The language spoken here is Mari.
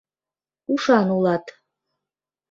Ушан улат...